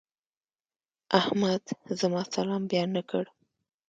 احمد زما سلام بيا نه کړ.